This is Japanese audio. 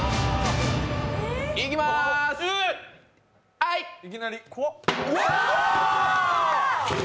はい。